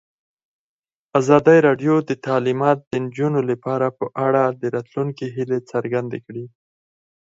ازادي راډیو د تعلیمات د نجونو لپاره په اړه د راتلونکي هیلې څرګندې کړې.